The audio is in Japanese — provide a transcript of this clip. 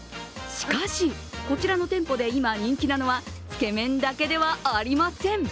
しかし、こちらの店舗で今人気なのは、つけ麺だけではありません。